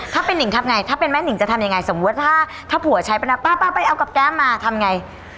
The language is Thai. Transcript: ถ้าเป็นหนิงทำไงถ้าเป็นแม่นิงจะทำยังไงสมมุติถ้าผัวใช้ไปแล้วป้าไปเอากับแก้มมาทำไง